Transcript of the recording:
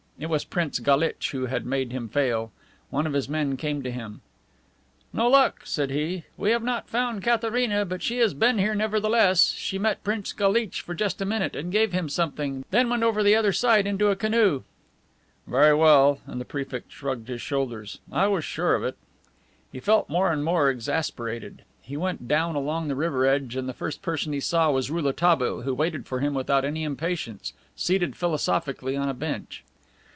It was Prince Galitch who had made him fail. One of his men came to him: "No luck," said he. "We have not found Katharina, but she has been here nevertheless. She met Prince Galitch for just a minute, and gave him something, then went over the other side into a canoe." "Very well," and the Prefect shrugged his shoulders. "I was sure of it." He felt more and more, exasperated. He went down along the river edge and the first person he saw was Rouletabille, who waited for him without any impatience, seated philosophically on a bench.